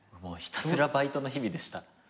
ひたすらバイトの日々でした。